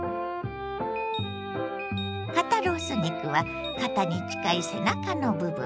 肩ロース肉は肩に近い背中の部分。